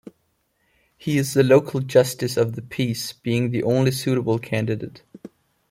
He is the local Justice of the Peace, being the only suitable candidate.